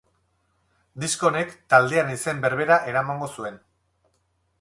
Disko honek, taldearen izen berbera eramango zuen.